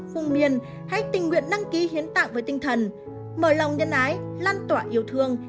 vùng miền hãy tình nguyện đăng ký hiến tạng với tinh thần mở lòng nhân ái lan tỏa yêu thương